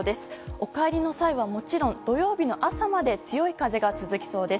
お帰りの際はもちろん土曜日の朝まで強い風が続きそうです。